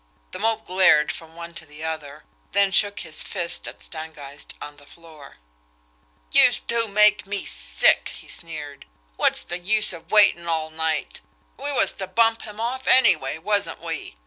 The Mope glared from one to the other; then shook his fist at Stangeist on the floor. "Youse two make me sick!" he sneered. "Wot's the use of waitin' all night? We was to bump him off, anyway, wasn't we?